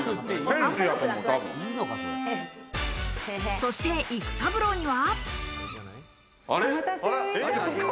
そして育三郎には。